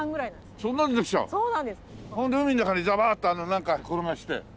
それで海の中にザバーッてなんか転がして。